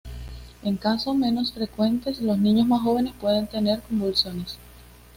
En casos menos frecuentes, los niños más jóvenes pueden tener convulsiones.